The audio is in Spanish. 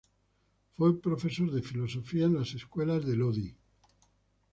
Fue profesor de filosofía en las escuelas de Lodi.